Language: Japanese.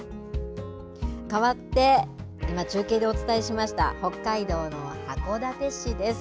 かわって今、中継でお伝えしました北海道の函館市です。